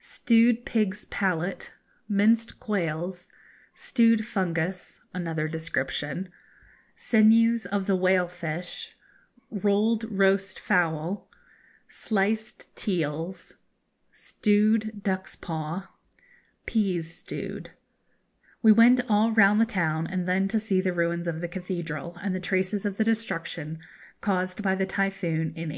Stewed Pig's Palate Minced Quails Stewed Fungus (another description) Sinews of the Whale Fish Rolled Roast Fowl Sliced Teals Stewed Duck's Paw Peas stewed We went all round the town, and then to see the ruins of the cathedral, and the traces of the destruction caused by the typhoon in 1874.